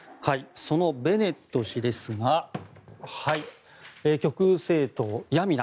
そのベネット氏ですが極右政党ヤミナ。